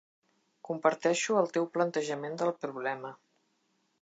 Comparteixo el teu plantejament del problema.